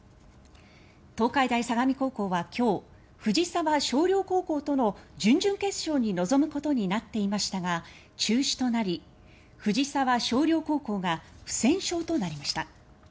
東海大相模高校は今日藤沢翔陵高校との準々決勝に臨むことになっていましたが中止となり、藤沢翔陵高校が不戦勝となりました。